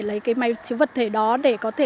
lấy cái máy chiếu vật thể đó để có thể